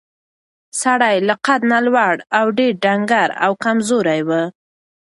سړی له قد نه لوړ او ډېر ډنګر او کمزوری و.